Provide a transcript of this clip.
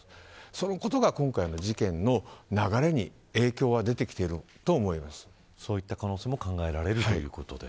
そのことが今回の事件の流れに影響が出ているとそういった可能性も考えられるということで。